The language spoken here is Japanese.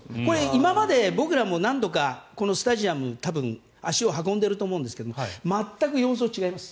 今まで僕らも何度かこのスタジアム足を運んでると思うんですけど全く様相が違います。